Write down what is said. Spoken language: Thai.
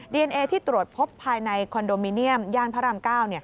เอนเอที่ตรวจพบภายในคอนโดมิเนียมย่านพระราม๙